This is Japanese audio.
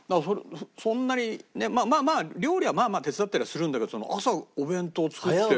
そんなにね料理はまあまあ手伝ったりはするんだけど朝お弁当作って。